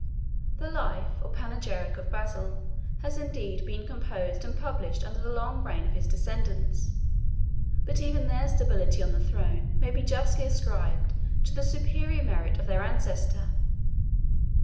The life or panegyric of Basil has indeed been composed and published under the long reign of his descendants; but even their stability on the throne may be justly ascribed to the superior merit of their ancestor.